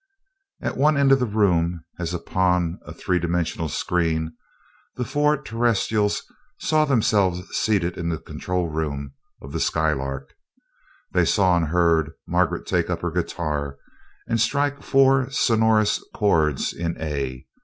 At one end of the room, as upon a three dimensional screen, the four Terrestrials saw themselves seated in the control room of the Skylark. They saw and heard Margaret take up her guitar, and strike four sonorous chords in "A."